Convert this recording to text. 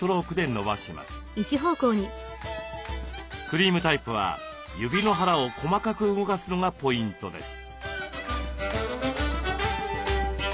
クリームタイプは指の腹を細かく動かすのがポイントです。